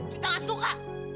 juwita gak suka